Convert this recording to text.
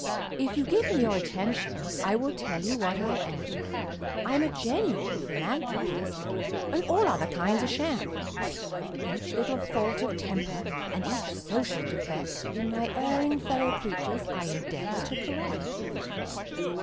If you give me your attention, I will tell you what I am: I'm a genuine philanthropist all other kinds are sham. Each little fault of temper and each social defect In my erring fellow creatures, I endeavor to correct.